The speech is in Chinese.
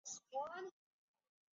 普斯陶莫诺什托尔。